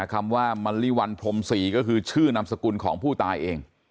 คำว่ามะลิวันพรมศรีก็คือชื่อนามสกุลของผู้ตายเอง